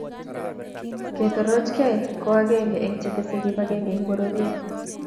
Ketorochgei ko akenge eng chetesei kibakebge ebng bororie.